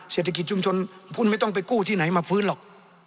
เศรษฐกิจชุมชนหุ้นไม่ต้องไปกู้ที่ไหนมาฟื้นหรอก